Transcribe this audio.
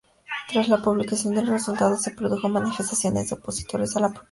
Tras la publicación de los resultados se produjo manifestaciones de opositores a la proposición.